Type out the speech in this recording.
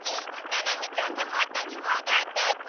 ななみちゃんがもとにもどったち！